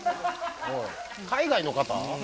海外の方？